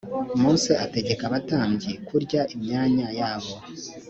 mose ategeka abatambyi kurya imyanya yabo